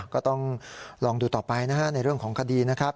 ก็ต้องลองดูต่อไปนะฮะในเรื่องของคดีนะครับ